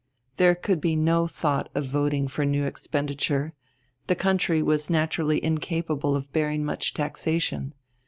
There could be no thought of voting for new expenditure, the country was naturally incapable of bearing much taxation.